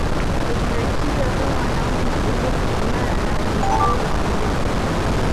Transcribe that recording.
Kuzingatiwa kama wanaume madhubuti imara na wenye uwezo wa kulinda jamii